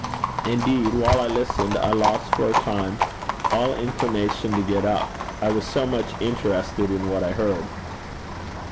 Indeed, while I listened, I lost for a time all inclination to get up, I was so much interested in what I heard.